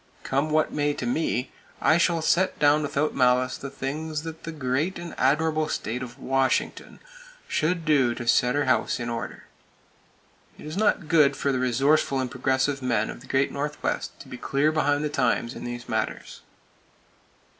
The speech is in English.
Come what may to me, I shall set down without malice the things that the great and admirable State of Washington should do to set her house in order. It is not good for the resourceful and progressive men of the Great Northwest to be clear behind the times in these matters.